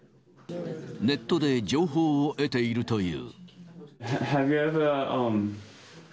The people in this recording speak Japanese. ネットで情報を得ているという。